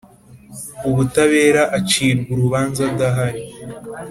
Ubutabera acirwa urubanza adahari